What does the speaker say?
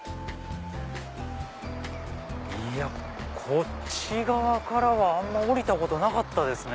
いやこっち側からはあんま降りたことなかったですね。